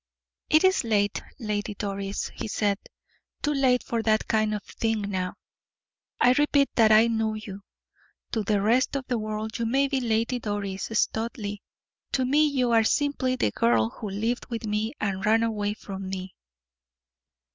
"It is late, Lady Doris," he said, "too late for that kind of thing now, I repeat that I know you to the rest of the world you may be Lady Doris Studleigh, to me you are simply the girl who lived with me and ran away from me."